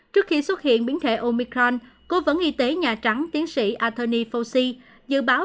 trước khi xuất hiện biến thể omicron cố vấn y tế nhà trắng tiến sĩ anthony fauci dự báo